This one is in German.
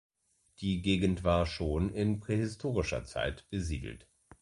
Die Gegend war schon in prähistorischer Zeit besiedelt.